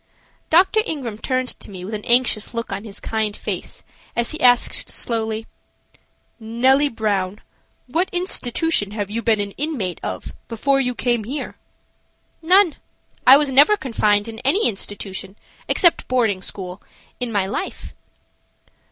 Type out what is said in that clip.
Dr. Ingram turned to me with an anxious look on his kind face as he asked, slowly: "Nellie Brown, what institution have you been an inmate of before you came here?" "None. I never was confined in any institution, except boarding school, in my life."